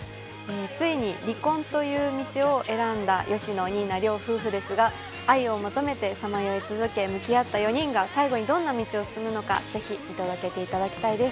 ついに離婚という道を選んだ吉野、新名両夫婦ですが愛を求めてさまよい続けた４人が最後にどんな道を進むのか、ぜひ見届けていただきたいです。